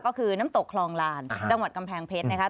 ก็คือน้ำตกคลองลานจังหวัดกำแพงเพชรนะคะ